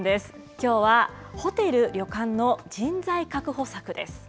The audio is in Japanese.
きょうはホテル・旅館の人材確保